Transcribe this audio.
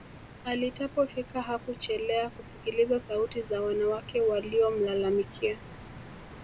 alitapo fika Hakuchelea kusikiliza sauti za wanawake waliomlalamikia